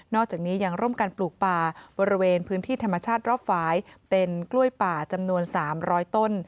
อกจากนี้ยังร่วมกันปลูกป่าบริเวณพื้นที่ธรรมชาติรอบฝ่ายเป็นกล้วยป่าจำนวน๓๐๐ต้น